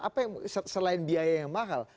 apa yang selain biaya yang mahal